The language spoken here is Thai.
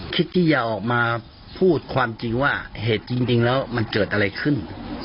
คิดที่จะออกมาพูดความจริงว่าเหตุจริงแล้วมันเกิดอะไรขึ้น